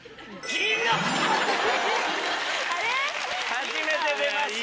初めて出ました。